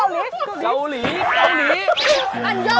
อันยมอันยมเจ้าเศรษฐ์โยจังหมาหรอ